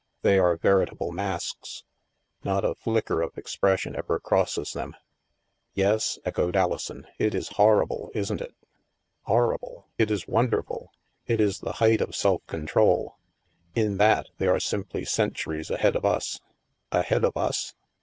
" They are verita ble masks. Not a flicker of expression ever crosses them." "Yes," echoed Alison, "it is horrible, isn't it?" " Horrible? It is wonderful. It is the height of self control. In that, they are simply centuries ahead of us." "Ahead of us?